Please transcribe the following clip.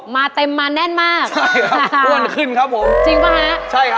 มาเต็มมาแน่นมากใช่ครับอ้วนขึ้นครับผมจริงป่ะฮะใช่ครับ